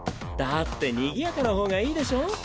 だってにぎやかな方がいいでしょ？